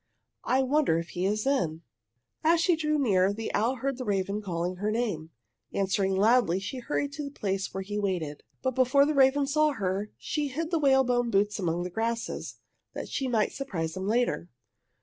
"I wonder if he is in!" As she drew near the owl heard the raven calling her name. Answering loudly, she hurried to the place where he waited. But before the raven saw her she hid the whalebone boots among the grasses, that she might surprise him later.